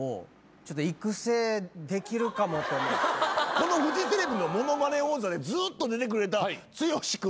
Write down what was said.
このフジテレビの『ものまね王座』でずっと出てくれた剛君の。